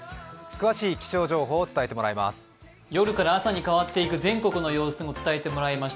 詳しい気象情報を伝えてもらいます。